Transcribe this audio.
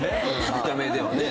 見た目ではね。